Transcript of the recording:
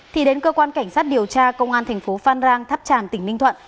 thì đến cơ quan cảnh sát điều tra công an thành phố phan rang tháp tràm tỉnh ninh thuận